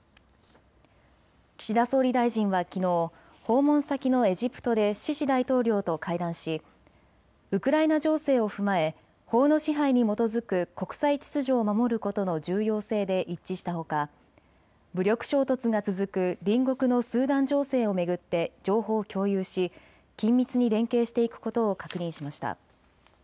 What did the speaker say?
岸田総理大臣はきのう訪問先のエジプトでシシ大統領と会談しウクライナ情勢を踏まえ法の支配に基づく国際秩序を守ることの重要性で一致したほか武力衝突が続く隣国のスーダン情勢を巡って情報を共有し緊密に連携していくことを確認しました。